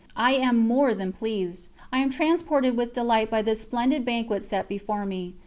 I am more than pleased I am transported with delight by this splendid banquet set before me.